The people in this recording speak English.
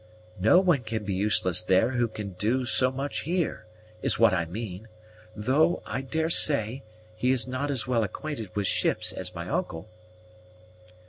"No one can be useless there who can do so much here, is what I mean; though, I daresay, he is not as well acquainted with ships as my uncle."